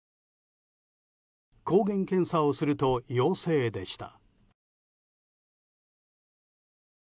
抗原検査をすると陽性でした。